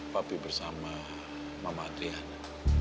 papi bersama mama adriana